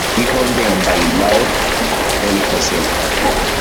Hijo del bailaor "El Josele".